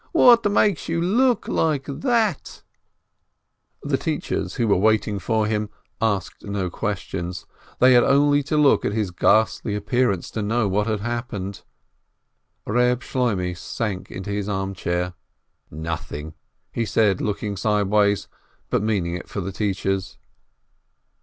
What makes you look like that ?" 340 PINSKI The teachers, who were there waiting for him, asked no questions: they had only to look at his ghastly appearance to know what had happened. Reb Shloimeh sank into his arm chair. "Nothing," he said, looking sideways, but meaning it for the teachers.